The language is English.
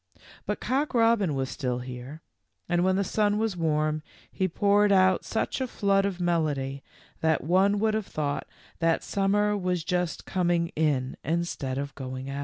But Cock robin was still here, and when the sun was warm he poured out such a flood of melody that one would have thought that sum mer was just coming in instead of going out.